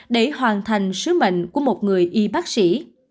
để hoàn thành sứ mệnh của một người y bác sĩ